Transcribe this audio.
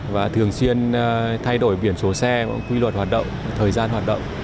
và thường xuyên thay đổi biển số xe quy luật hoạt động thời gian hoạt động